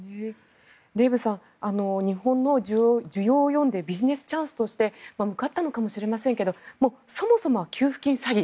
デーブさん日本の需要を読んでビジネスチャンスとして向かったのかもしれませんがそもそも給付金詐欺